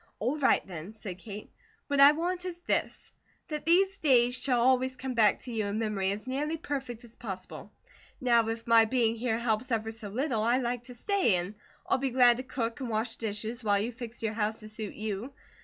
"All right, then," said Kate. "What I want is this: that these days shall always come back to you in memory as nearly perfect as possible. Now if my being here helps ever so little, I like to stay, and I'll be glad to cook and wash dishes, while you fix your house to suit you.